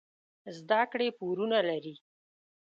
زده کړې پورونه لري.